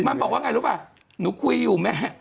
มันบอกว่าไงรู้ป่ะหนูคุยอยู่แม่